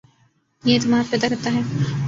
یہ اعتماد پیدا کرتا ہے